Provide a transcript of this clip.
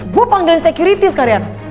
gua panggilin sekuriti sekalian